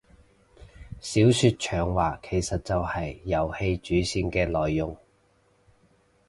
小說長話其實就係遊戲主線嘅內容